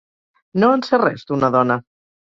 No en sé res, d'una dona.